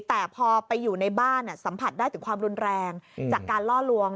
แต่พอไปอยู่ในบ้านสัมผัสได้ถึงความรุนแรงจากการล่อลวง